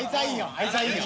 あいつはいいよ。